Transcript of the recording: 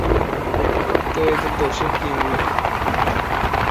তো এতে দোষের কী হল?